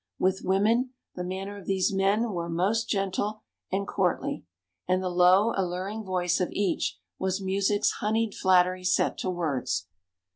With women, the manner of these men was most gentle and courtly; and the low, alluring voice of each was music's honeyed flattery set to words.